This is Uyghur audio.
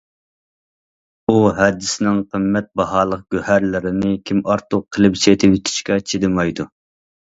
ئۇ ھەدىسىنىڭ قىممەت باھالىق گۆھەرلىرىنى‹‹ كىمئارتۇق›› قىلىپ سېتىۋېتىشكە چىدىمايدۇ.